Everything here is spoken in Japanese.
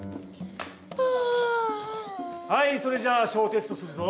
はいそれじゃあ小テストするぞ。